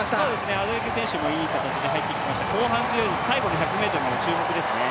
アデレケ選手もいい形で入ってきまして、後半強いので、最後の１００ｍまで注目ですね。